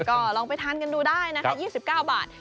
ก็ลองไปทานกันดูได้นะคะ๒๙บาท